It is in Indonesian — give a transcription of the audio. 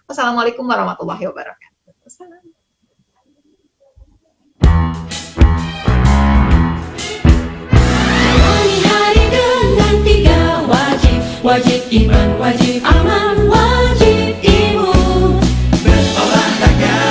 wassalamualaikum warahmatullahi wabarakatuh